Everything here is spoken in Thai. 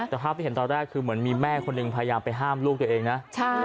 แต่ภาพที่เห็นตอนแรกคือเหมือนมีแม่คนหนึ่งพยายามไปห้ามลูกตัวเองนะ